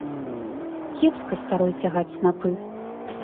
Кепска старой цягаць снапы.